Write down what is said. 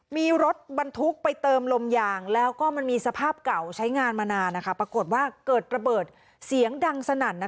มีรถบรรทุกไปเติมลมยางแล้วก็มันมีสภาพเก่าใช้งานมานานปรากฏว่าเกิดระเบิดเสียงดังสนั่น